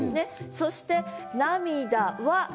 そして「涙は」